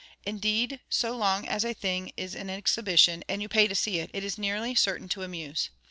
Indeed, so long as a thing is an exhibition, and you pay to see it, it is nearly certain to amuse.